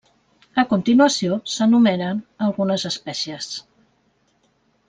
A continuació s'enumeren algunes espècies.